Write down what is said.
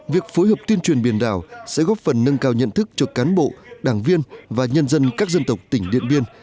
việc phối hợp tuyên truyền biển đảo sẽ góp phần nâng cao nhận thức cho cán bộ đảng viên và nhân dân các dân tộc tỉnh điện biên